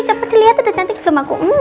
cepat dilihat udah cantik belum aku